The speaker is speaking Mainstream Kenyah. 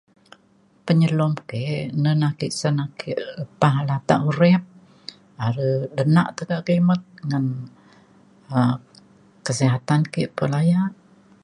Penyelum ke na ne ake sen ke lepa latak urip are tena tekak kimet ngan um kesihatan ke pa layak